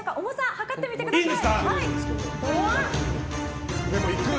量ってみてください。